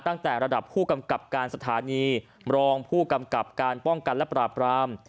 ตั้งแต่ระดับผู้กำกับการสถานีรองผู้กำกับการป้องกันและปราบราม